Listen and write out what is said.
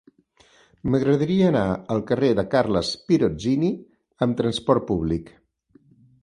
M'agradaria anar al carrer de Carles Pirozzini amb trasport públic.